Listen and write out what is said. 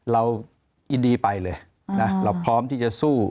เรายินดีไปเลยนะเราพร้อมที่จะสู้